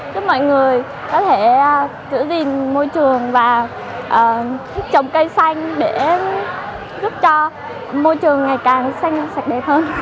giúp mọi người có thể giữ gìn môi trường và trồng cây xanh để giúp cho môi trường ngày càng xanh sạch đẹp hơn